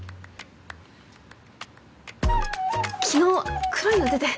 昨日黒いの出て。